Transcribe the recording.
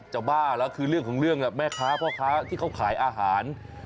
บ้าแล้วคือเรื่องของเรื่องแม่ค้าพ่อค้าที่เขาขายอาหาร